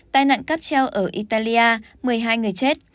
tai nạn cáp treo ở italia một mươi hai người chết